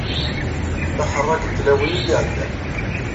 D aḥerrag n tlawin i d-iɛeddan.